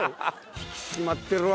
引き締まってるわ。